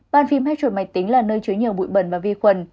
bàn phím hay chuột máy tính là nơi chứa nhiều bụi bẩn và vi khuẩn